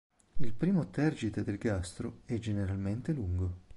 Il primo tergite del gastro è generalmente lungo.